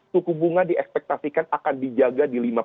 suku bunga di ekspektasikan akan dijaga di lima